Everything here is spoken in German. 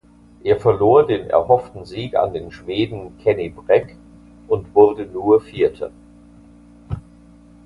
Er verlor den erhofften Sieg an den Schweden Kenny Bräck und wurde nur Vierter.